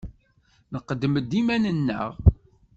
Nqeddem-d iman-nneɣ.